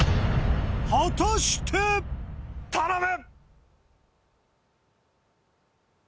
果たして⁉頼む！